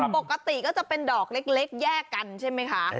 ปกติก็จะเป็นดอกเล็กแยกกันใช่ไหมคะ